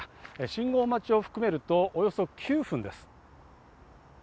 信号待ちを含めると、およそ９分です。